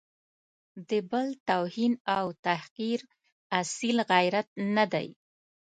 د بل توهین او تحقیر اصیل غیرت نه دی.